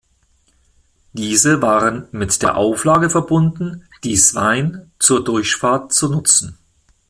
Diese waren mit der Auflage verbunden, die Swine zur Durchfahrt zu nutzen.